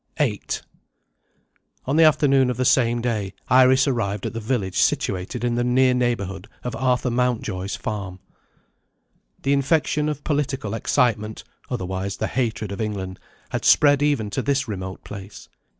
VIII ON the afternoon of the same day, Iris arrived at the village situated in the near neighbourhood of Arthur Mountjoy's farm. The infection of political excitement (otherwise the hatred of England) had spread even to this remote place.